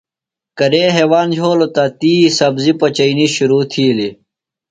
کرے ہیواند یھولوۡ تہ تی سبزیۡ پچئینی شرو تِھیلیۡ۔